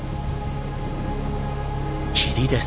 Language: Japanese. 霧です。